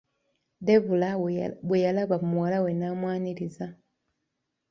Debula bwe yalaba muwala we n'amwaniriza .